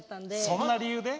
そんな理由で？